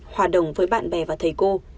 hòa đồng với bạn bè và thầy cô